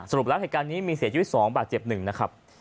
แล้วเหตุการณ์นี้มีเสียชีวิต๒บาทเจ็บ๑นะครับ